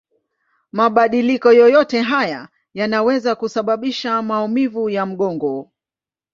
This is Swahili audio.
Mabadiliko yoyote haya yanaweza kusababisha maumivu ya mgongo.